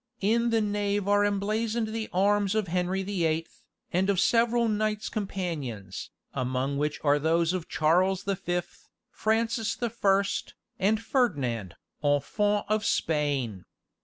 In the nave are emblazoned the arms of Henry the Eighth, and of several knights companions, among which are those of Charles the Fifth, Francis the First, and Ferdinand, Infant of Spain.